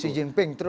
xi jinping terus